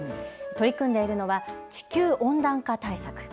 取り組んでいるのは地球温暖化対策。